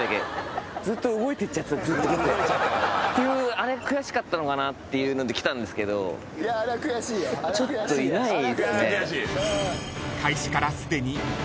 あれくやしかったのかなっていうので来たんですけどちょっといないっすね。